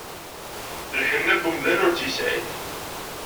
Lḥenna n wemdan ur tt-yesɛi.